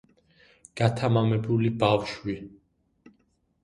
გათამამებული ბავშვი